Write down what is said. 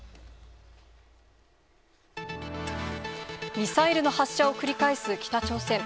ミサイルの発射を繰り返す北朝鮮。